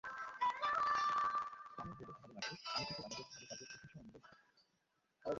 আমার ভেবে ভালো লাগছে, আমেথিতে আমাদের ভালো কাজের প্রশংসা অন্যরাও করছেন।